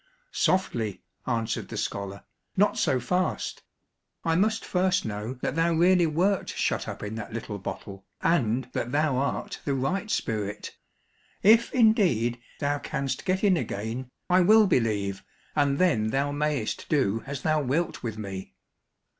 "Softly," answered the scholar, "not so fast. I must first know that thou really wert shut up in that little bottle, and that thou art the right spirit. If, indeed, thou canst get in again, I will believe and then thou mayst do as thou wilt with me."